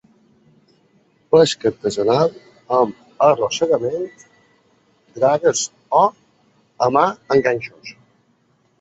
Pesca artesanal amb arrossegament, dragues o a mà amb ganxos.